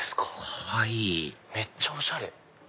かわいいめっちゃおしゃれ！